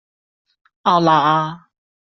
奥拉阿。